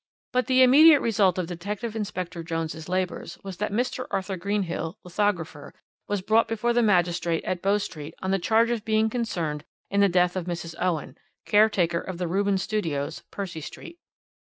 "But the immediate result of Detective Inspector Jones's labours was that Mr. Arthur Greenhill, lithographer, was brought before the magistrate at Bow Street on the charge of being concerned in the death of Mrs. Owen, caretaker of the Rubens Studios, Percy Street.